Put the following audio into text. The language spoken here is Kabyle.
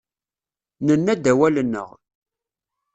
Nenna-d awal-nneɣ.